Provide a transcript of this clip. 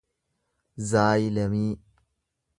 zaayilemii